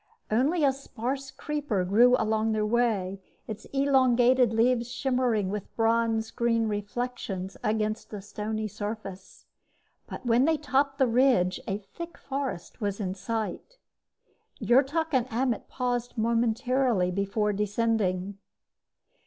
Only a sparse creeper grew along their way, its elongated leaves shimmering with bronze green reflections against a stony surface; but when they topped the ridge a thick forest was in sight. Yrtok and Ammet paused momentarily before descending.